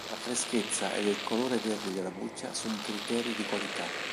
La freschezza ed il colore verde della buccia sono criteri di qualità.